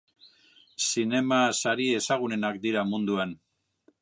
Zinema sari ezagunenak dira munduan.